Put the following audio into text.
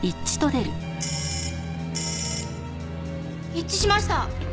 一致しました！